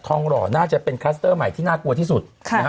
หล่อน่าจะเป็นคลัสเตอร์ใหม่ที่น่ากลัวที่สุดนะฮะ